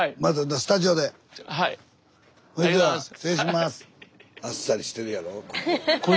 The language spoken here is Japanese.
スタジオあっさりしてるやろ。